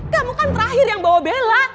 kamu kan terakhir yang bawa bela